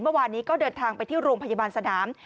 เมื่อวานนี้ก็เดินทางไปที่โรงพยาบาลสนาม